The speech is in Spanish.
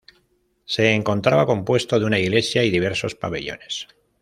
Se encontraba compuesto de una iglesia y diversos pabellones.